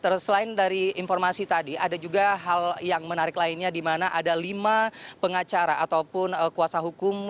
terus selain dari informasi tadi ada juga hal yang menarik lainnya di mana ada lima pengacara ataupun kuasa hukum